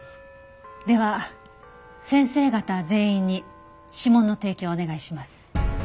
では先生方全員に指紋の提供をお願いします。